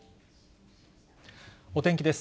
お天気です。